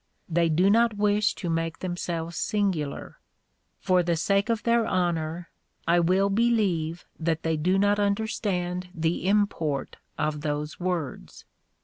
They do not wish to make themselves singular. For the sake of their honor, I will believe that they do not understand the import of those words.